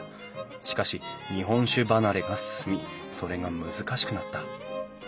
しかし日本酒離れが進みそれが難しくなった。